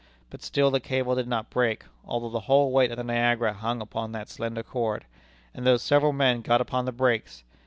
But still the cable did not break, although the whole weight of the Niagara hung upon that slender cord, and though several men got upon the brakes.